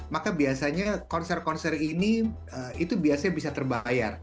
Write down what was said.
maka biasanya konser konser ini itu biasanya bisa terbayar